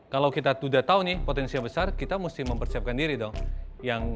kalau kita sudah tahu nih potensi yang besar kita mesti mempersiapkan diri dong